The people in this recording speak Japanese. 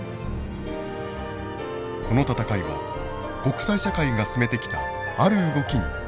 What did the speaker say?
この戦いは国際社会が進めてきたある動きに暗い影を落としています。